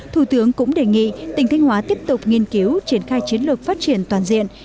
thủ tướng cũng đề nghị tỉnh thanh hóa tiếp tục nghiên cứu triển khai chiến lược phát triển toàn diện